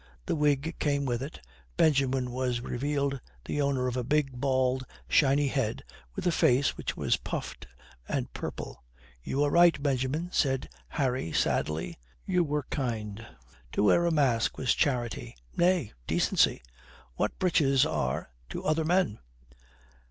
The wig came with it. Benjamin was revealed the owner of a big, bald, shiny head with a face which was puffed and purple. "You were right, Benjamin," said Harry sadly, "You were kind. To wear a mask was charity, nay, decency what breeches are to other men.